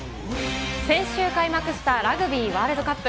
先週開幕したラグビーワールドカップ。